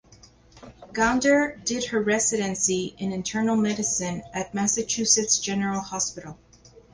Gounder did her residency in internal medicine at Massachusetts General Hospital.